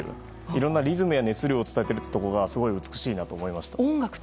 いろんなリズムや熱量を伝えているところがすごい美しいなと思いました。